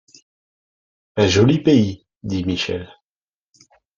Un joli pays ! dit Michel.